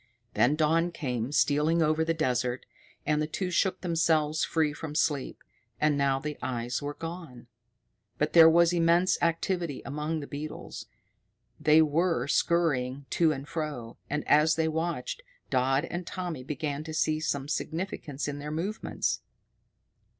Then dawn came stealing over the desert, and the two shook themselves free from sleep. And now the eyes were gone. But there was immense activity among the beetles. They were scurrying to and fro, and, as they watched, Dodd and Tommy began to see some significance in their movements.